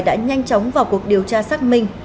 đã nhanh chóng vào cuộc điều tra xác minh